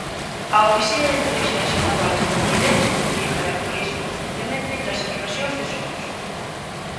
A Oficina de Intelixencia Naval estadounidense publica e actualiza constantemente clasificacións de sons.